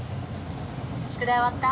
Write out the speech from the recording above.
宿題終わった？